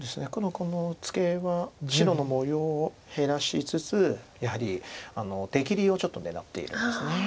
このツケは白の模様を減らしつつやはり出切りをちょっと狙っているんです。